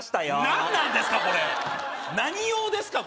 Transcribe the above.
何なんですか？